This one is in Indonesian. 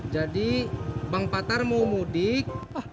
jadi bang patar mau mudik